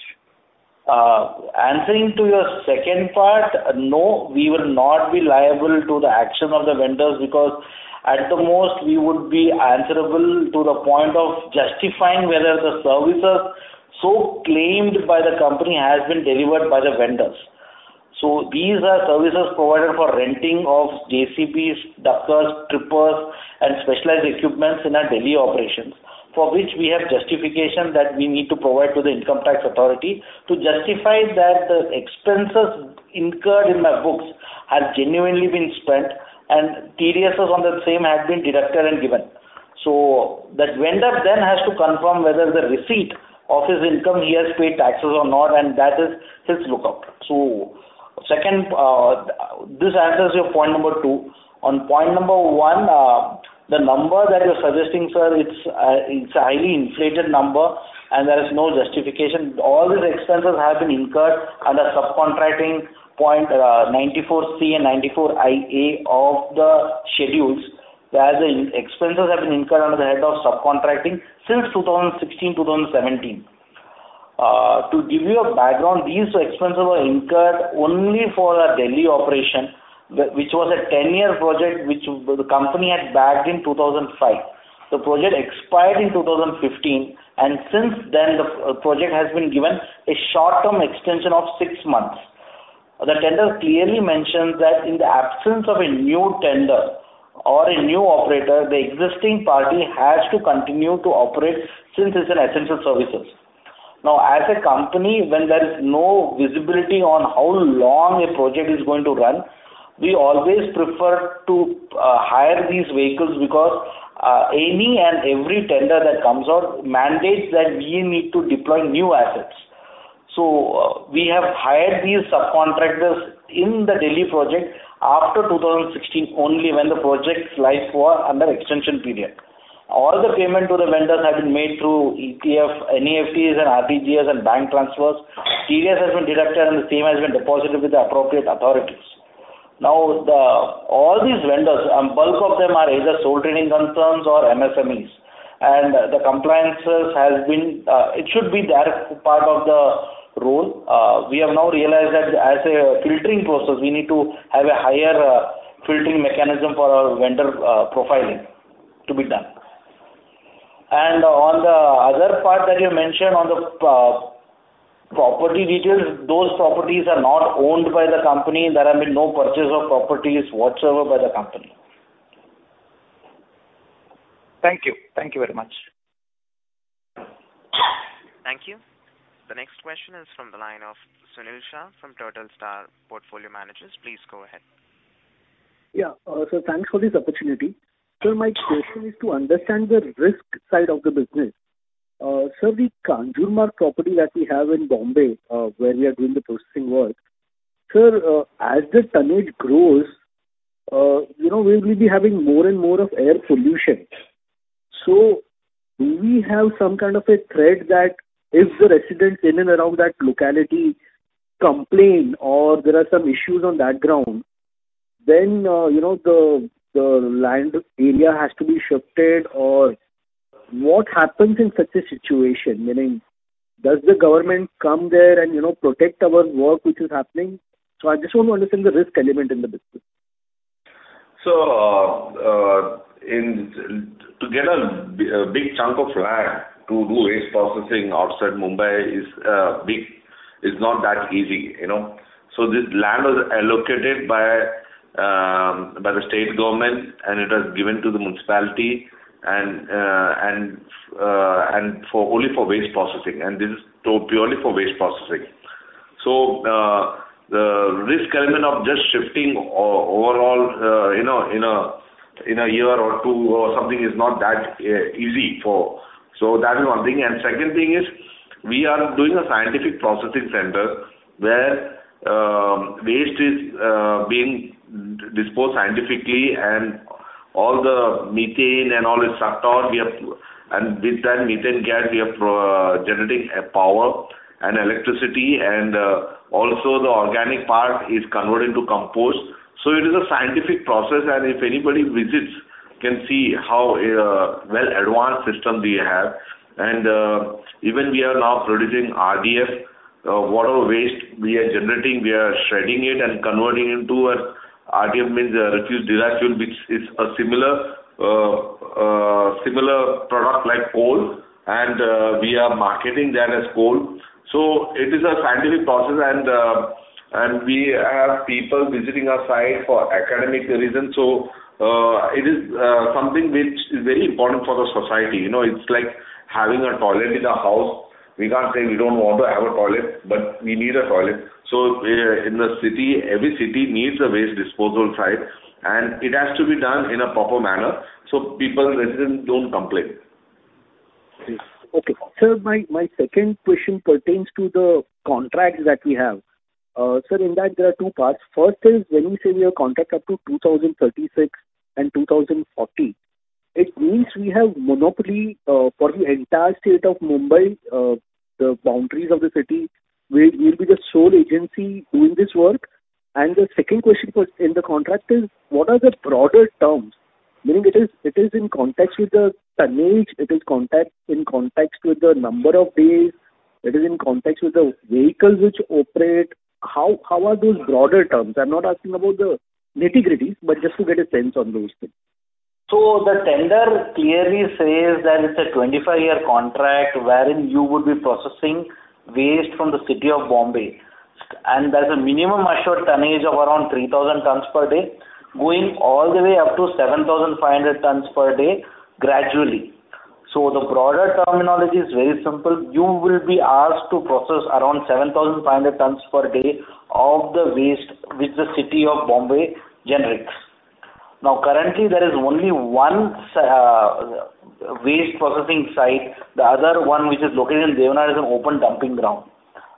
Answering to your second part, no, we will not be liable to the action of the vendors because at the most we would be answerable to the point of justifying whether the services so claimed by the company has been delivered by the vendors. These are services provided for renting of JCBs, dumpers, trippers, and specialized equipment in our Delhi operations, for which we have justification that we need to provide to the income tax authority to justify that the expenses incurred in our books have genuinely been spent and TDSs on the same have been deducted and given. That vendor then has to confirm whether the receipt of his income, he has paid taxes or not, and that is his lookout. Second, this answers your point number two. On point number one, the number that you're suggesting, sir, it's a highly inflated number and there is no justification. All these expenses have been incurred under subcontracting point, Section 194C and Section 194IA of the schedules, where the expenses have been incurred under the head of subcontracting since 2016, 2017. To give you a background, these expenses were incurred only for our Delhi operation, which was a ten-year project which the company had bagged in 2005. The project expired in 2015, and since then the project has been given a short-term extension of six months. The tender clearly mentions that in the absence of a new tender or a new operator, the existing party has to continue to operate since it's an essential services. Now, as a company, when there is no visibility on how long a project is going to run, we always prefer to hire these vehicles because any and every tender that comes out mandates that we need to deploy new assets. We have hired these subcontractors in the Delhi project after 2016, only when the project's life were under extension period. All the payment to the vendors have been made through EFT, NEFT and RTGS and bank transfers. TDS has been deducted and the same has been deposited with the appropriate authorities. Now all these vendors, bulk of them are either sole trading concerns or MSMEs. The compliances has been, it should be their part of the role. We have now realized that as a filtering process, we need to have a higher filtering mechanism for our vendor profiling to be done. On the other part that you mentioned on the property details, those properties are not owned by the company. There have been no purchase of properties whatsoever by the company. Thank you. Thank you very much. Thank you. The next question is from the line of Sunil Shah from TurtleStar Portfolio Managers. Please go ahead. Yeah. Sir, thanks for this opportunity. My question is to understand the risk side of the business. Sir, the Kanjurmarg property that we have in Bombay, where we are doing the processing work, sir, as the tonnage grows, you know, we will be having more and more of air pollution. Do we have some kind of a threat that if the residents in and around that locality complain or there are some issues on that ground, then, you know, the land area has to be shifted or what happens in such a situation? Meaning, does the government come there and, you know, protect our work which is happening? I just want to understand the risk element in the business. It's to get a big chunk of land to do waste processing outside Mumbai is big. It's not that easy, you know. This land was allocated by the state government, and it was given to the municipality and only for waste processing. This is purely for waste processing. The risk element of just shifting overall, you know, in a year or two or something is not that easy for. That is one thing. Second thing is we are doing a scientific processing center where waste is being disposed scientifically and all the methane is sucked out. With that methane gas, we are generating power and electricity, and also the organic part is converted into compost. It is a scientific process, and if anybody visits, they can see how a well advanced system we have. Even we are now producing RDF. Whatever waste we are generating, we are shredding it and converting into RDF, which means refuse-derived fuel, which is a similar product like coal, and we are marketing that as coal. It is a scientific process, and we have people visiting our site for academic reasons. It is something which is very important for the society. You know, it's like having a toilet in a house. We can't say we don't want to have a toilet, but we need a toilet. We're in the city. Every city needs a waste disposal site, and it has to be done in a proper manner so people, residents don't complain. Yes. Okay. Sir, my second question pertains to the contracts that we have. Sir, in that there are two parts. First is when you say we have contract up to 2036 and 2040, it means we have monopoly for the entire state of Mumbai. The boundaries of the city, we will be the sole agency doing this work. The second question on the contract is what are the broader terms? Meaning it is in context with the tonnage, it is in context with the number of days, it is in context with the vehicles which operate. How are those broader terms? I'm not asking about the nitty-gritties, but just to get a sense on those things. The tender clearly says that it's a 25-year contract wherein you would be processing waste from the city of Bombay. There's a minimum assured tonnage of around 3,000t per day, going all the way up to 7,500t per day gradually. The broader terminology is very simple. You will be asked to process around 7,500t per day of the waste which the city of Bombay generates. Now, currently there is only one waste processing site. The other one, which is located in Deonar, is an open dumping ground.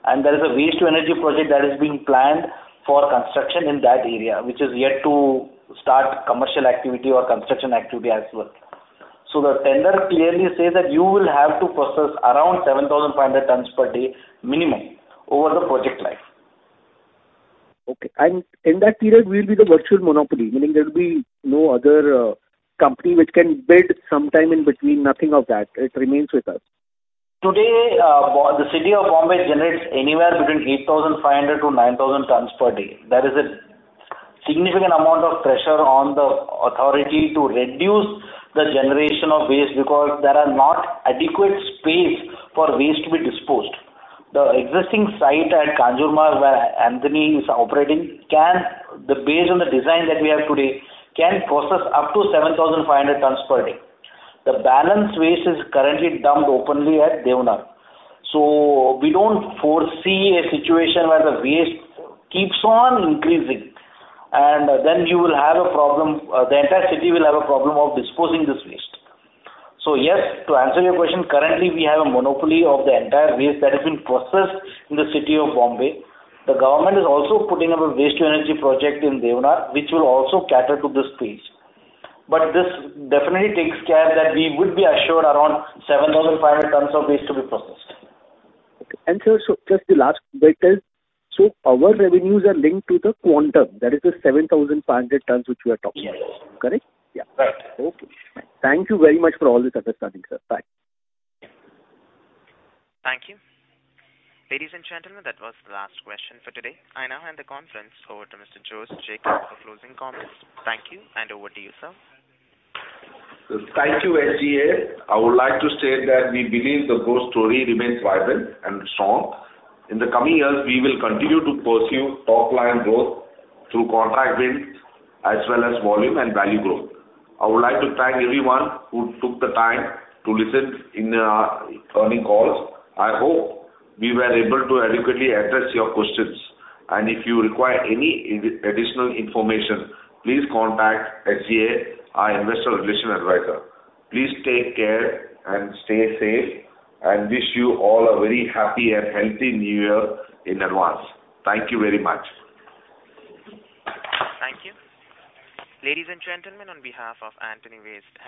There is a Waste to Energy project that is being planned for construction in that area, which is yet to start commercial activity or construction activity as well. The tender clearly says that you will have to process around 7,500t per day minimum over the project life. Okay. In that period, we will be the virtual monopoly, meaning there will be no other company which can bid sometime in between. Nothing of that. It remains with us. Today, the city of Bombay generates anywhere betwewn 8,500t to 9,000t per day. There is a significant amount of pressure on the authority to reduce the generation of waste because there are not adequate space for waste to be disposed. The existing site at Kanjurmarg where Antony is operating can, based on the design that we have today, process up to 7,500t per day. The balance waste is currently dumped openly at Deonar. We don't foresee a situation where the waste keeps on increasing. You will have a problem. The entire city will have a problem of disposing this waste. Yes, to answer your question, currently we have a monopoly of the entire waste that is being processed in the city of Bombay. The government is also putting up a Waste to Energy project in Deonar, which will also cater to this space. This definitely takes care that we would be assured around 7,500t of waste to be processed. Okay. Sir, so just the last bit is our revenues are linked to the quantum that is the 7,500t which we are talking about. Yes. Correct? Yeah. Correct. Okay. Thank you very much for all this understanding, sir. Bye. Thank you. Ladies and gentlemen, that was the last question for today. I now hand the conference over to Mr. Jose Jacob for closing comments. Thank you and over to you, sir. Thank you, SGA. I would like to state that we believe the growth story remains vibrant and strong. In the coming years, we will continue to pursue top line growth through contract wins as well as volume and value growth. I would like to thank everyone who took the time to listen in our earning calls. I hope we were able to adequately address your questions, and if you require any additional information, please contact SGA, our investor relations advisor. Please take care and stay safe and wish you all a very happy and healthy New Year in advance. Thank you very much. Thank you. Ladies and gentlemen, on behalf of Antony Waste and